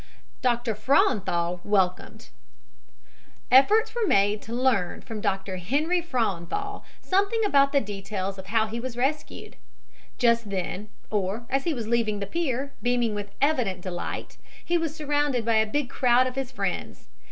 DR. FRAUENTHAL WELCOMED Efforts were made to learn from Dr. Henry Franenthal something about the details of how he was rescued. Just then, or as he was leaving the pier, beaming with evident delight, he was surrounded by a big crowd of his friends.